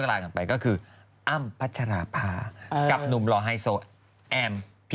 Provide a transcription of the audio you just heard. กลัวว่าผมจะต้องไปพูดให้ปากคำกับตำรวจยังไง